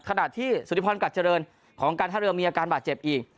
ขณะที่สุธิพรกัดเจริญของการท่าเรือมีอาการบาดเจ็บอีก